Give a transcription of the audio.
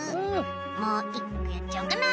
もう１こやっちゃおうかな。